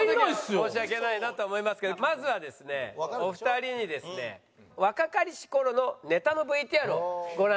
申し訳ないなと思いますけどまずはですねお二人にですね若かりし頃のネタのＶＴＲをご覧いただきたいと思います。